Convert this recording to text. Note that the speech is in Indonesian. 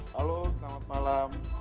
halo selamat malam